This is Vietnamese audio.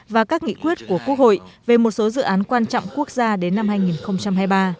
và các nghị quyết của quốc hội về một số dự án quan trọng quốc gia đến năm hai nghìn hai mươi ba